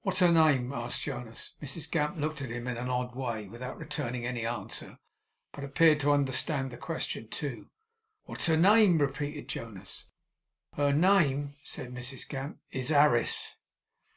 'What is her name?' asked Jonas. Mrs Gamp looked at him in an odd way without returning any answer, but appeared to understand the question too. 'What is her name?' repeated Jonas. 'Her name,' said Mrs Gamp, 'is Harris.